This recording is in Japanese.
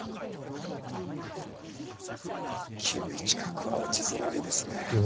９一角は打ちづらいですね。